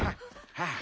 はあ。